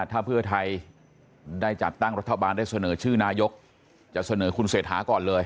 ถ้าเพื่อไทยได้จัดตั้งรัฐบาลได้เสนอชื่อนายกจะเสนอคุณเศรษฐาก่อนเลย